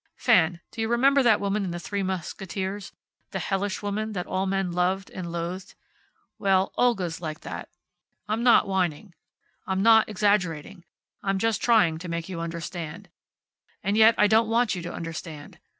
"Fan, do you remember that woman in `The Three Musketeers'? The hellish woman, that all men loved and loathed? Well, Olga's like that. I'm not whining. I'm not exaggerating. I'm just trying to make you understand. And yet I don't want you to understand.